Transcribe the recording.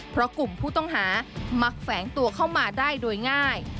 เพราะกลุ่มผู้ต้องหามักแฝงตัวเข้ามาได้โดยง่าย